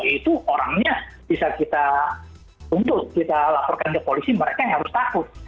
itu orangnya bisa kita tuntut kita laporkan ke polisi mereka yang harus takut